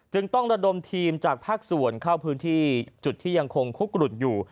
ต้องระดมทีมจากภาคส่วนเข้าพื้นที่จุดที่ยังคงคุกกรุดอยู่